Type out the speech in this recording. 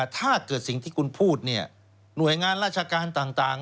ถ้าเกิดสิ่งที่คุณพูดเนี่ยหน่วยงานราชการต่าง